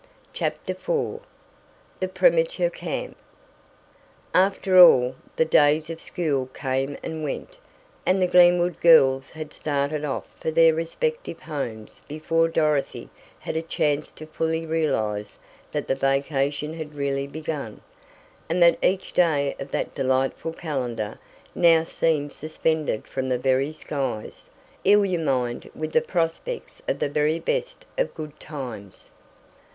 CHAPTER IV THE PREMATURE CAMP After all, the last days of school came and went, and the Glenwood girls had started off for their respective homes before Dorothy had a chance to fully realize that the vacation had really begun, and that each day of that delightful calendar now seemed suspended from the very skies, illumined with the prospects of the very best of good times.